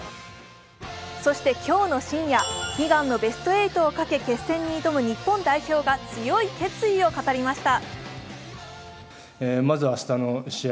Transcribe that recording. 今日の深夜、悲願のベスト８をかけ決戦に挑む日本代表が強い決意を語りました。